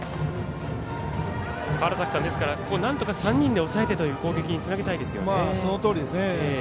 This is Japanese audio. ここなんとか３人で抑えて攻撃につなげたいですよね。